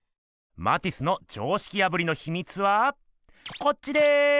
マティスの常識破りのひみつはこっちです。